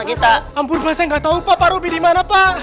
kita ampun saya nggak tahu papa ruby dimana pak